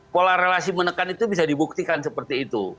pola relasi menekan itu bisa dibuktikan seperti itu